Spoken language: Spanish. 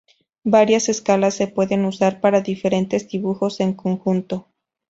Varias escalas se pueden usar para diferentes dibujos en un conjunto.